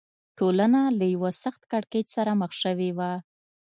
ټولنه له یوه سخت کړکېچ سره مخ شوې وه.